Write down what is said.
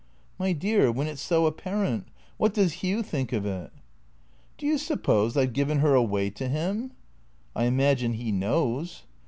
" My dear, when it 's so apparent ! Wliat does Hugh think of it?" " Do you suppose I 've given her away to him ?"" I imagine he knows."